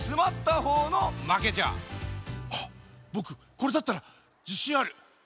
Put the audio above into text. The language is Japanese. これだったらじしんある。